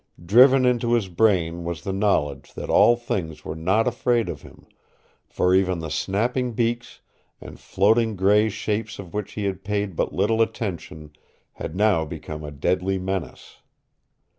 Driven into his brain was the knowledge that all things were not afraid of him, for even the snapping beaks and floating gray shapes to which he had paid but little attention had now become a deadly menace.